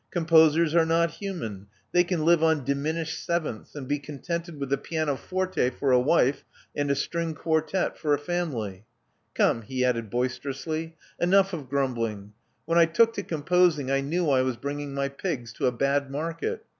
Composers are not human : they can live on 26o Love Among the Artists diminished sevenths ; and be contented with a piano forte for a wife, and a string quartette for a family. Come," he added boisterously, enough of grumbling. When I took to composing, I knew I was bringing my pigs to a bad market.